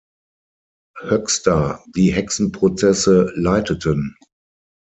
Höxter die Hexenprozesse leiteten.